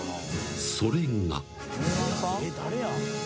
それが］